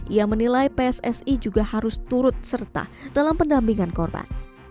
ia menilai pssi juga harus turut serta dalam pendampingan korban